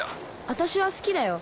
私は好きだよ